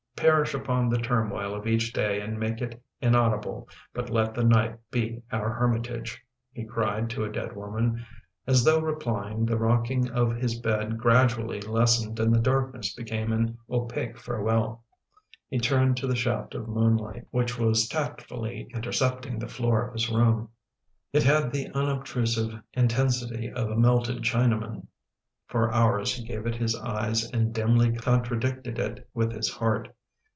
" Perish upon the turmoil of each day and make it inaudible, but let the night be our hermitage/' he cried to a dead woman. As though replying, the rocking of his bed gradually lessened and the darkness became an opaque farewell. He turned to the shaft of M •« i which was tactfully intercepting the floor of his room; it had the unobtrusive intensity of a melted Chinaman. For hours he gave it his eyes and dimly contradicted it with his heart.